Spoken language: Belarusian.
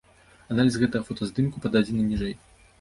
Аналіз гэтага фотаздымку пададзены ніжэй.